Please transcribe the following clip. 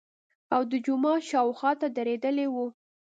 او د جومات شاوخواته درېدلي وو.